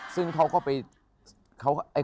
ซึ่งเขาก็ไป